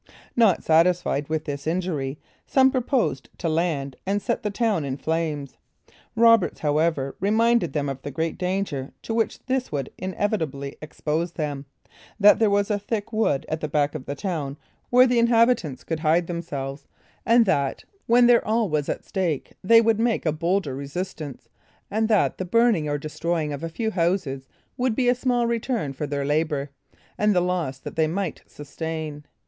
Not satisfied with this injury, some proposed to land and set the town in flames. Roberts however, reminded them of the great danger to which this would inevitably expose them; that there was a thick wood at the back of the town, where the inhabitants could hide themselves, and that, when their all was at stake, they would make a bolder resistance: and that the burning or destroying of a few houses, would be a small return for their labor, and the loss that they might sustain.